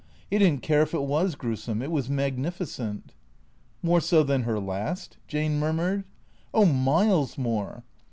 He did n't care if it was gruesome. It was magnificent. " More so than her last ?" Jane murmured. " Oh, miles more."